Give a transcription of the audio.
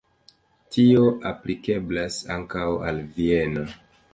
Tio aplikeblas ankaŭ al Vieno.